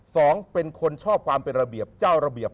สองคนเป็นคนชอบความเป็นระเบียบเจ้าระเบียบ